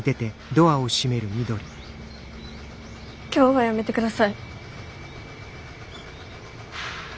今日はやめて下さい。